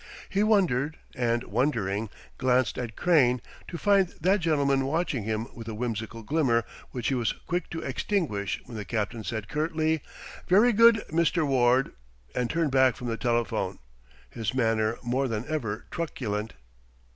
He wondered and, wondering, glanced at Crane, to find that gentleman watching him with a whimsical glimmer which he was quick to extinguish when the captain said curtly, "Very good, Mr. Warde," and turned back from the telephone, his manner more than ever truculent.